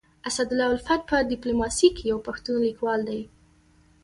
اسدالله الفت په ډيپلوماسي کي يو پښتون ليکوال دی.